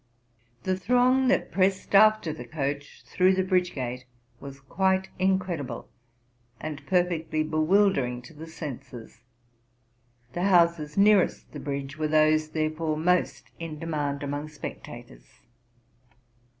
The throng that pressed after the coach through the bridge gate was quite incredible, and perfectly bewildering to the senses. The houses nearest the bridge were those, therefore, most 'n demand among spectators.